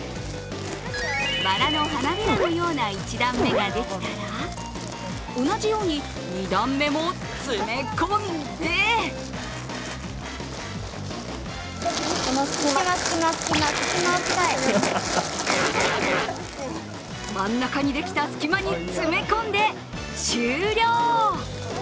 ばらの花びらのような１段目ができたら、同じように２段目も詰め込んで真ん中にできた隙間に詰め込んで終了。